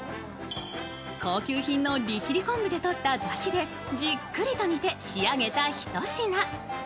高級品の利尻昆布で取っただしでじっくりと煮て仕上げたひと品。